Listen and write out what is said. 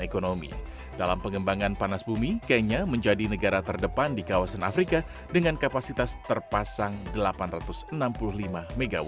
ekonomi dalam pengembangan panas bumi kenya menjadi negara terdepan di kawasan afrika dengan kapasitas terpasang delapan ratus enam puluh lima mw